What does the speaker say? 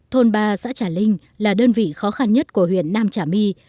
thôn ba xã trà linh là đơn vị khó khăn nhất của huyện nam trà my